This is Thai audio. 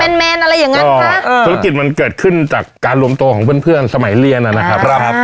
แมนอะไรอย่างนั้นค่ะธุรกิจมันเกิดขึ้นจากการรวมตัวของเพื่อนเพื่อนสมัยเรียนนะครับ